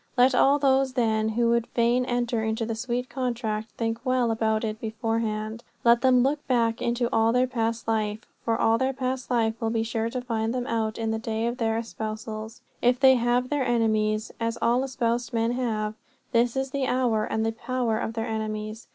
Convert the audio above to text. Let all those, then, who would fain enter into that sweet contract think well about it beforehand. Let them look back into all their past life. For all their past life will be sure to find them out on the day of their espousals. If they have their enemies as all espoused men have this is the hour and the power of their enemies.